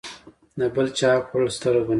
د بل چاحق خوړل ستره ګناه ده.